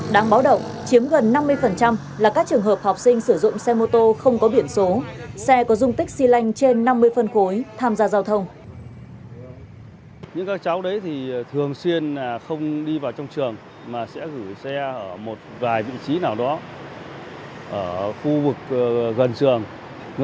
đáng báo động chiếm gần năm mươi là các trường hợp học sinh sử dụng xe mô tô không có biển số xe có dung tích xy lanh trên năm mươi phân khối tham gia giao thông